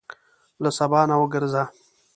له سبا نه وګرځه.